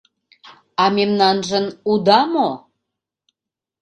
— А мемнажын уда мо?